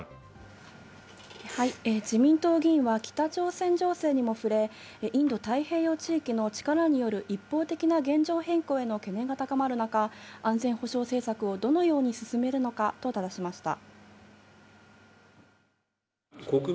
自民党議員は北朝鮮情勢にも触れ、インド太平洋地域の力による一方的な現状変更への懸念が高まる中、安全保障政策をどのように進めるのかとただしました。